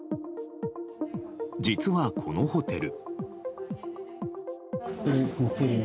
実はこのホテル。